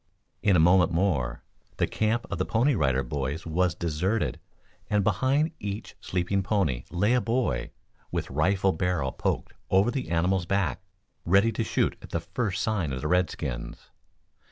In a moment more, the camp of the Pony Rider Boys was deserted, and behind each sleeping pony lay a boy, with rifle barrel poked over the animal's back, ready to shoot at the first sign of the redskins.